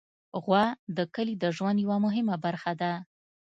غوا د کلي د ژوند یوه مهمه برخه ده.